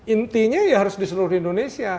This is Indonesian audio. intinya ya harus di seluruh indonesia